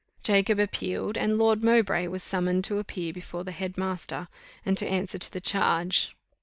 Jacob appealed, and Lord Mowbray was summoned to appear before the head master, and to answer to the charge.